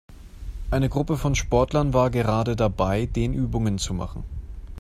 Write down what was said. Eine Gruppe von Sportlern war gerade dabei, Dehnübungen zu machen.